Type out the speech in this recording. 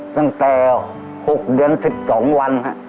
ตั้งแต่๖เดือน๑๒วัน